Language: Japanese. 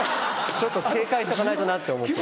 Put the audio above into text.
ちょっと警戒しとかないとなって思って。